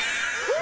え！